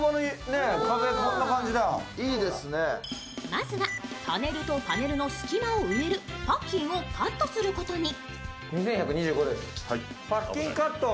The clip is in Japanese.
まずはパネルとパネルの隙間を埋めるパッキンをカットすることに。